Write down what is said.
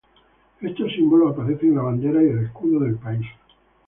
Estos símbolos aparecen en la bandera y el escudo del país.